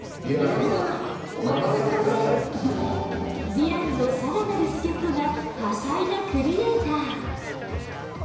ヴィランの更なる助っとが多才なクリエーター。